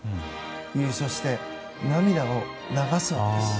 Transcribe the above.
優勝して涙を流すわけです。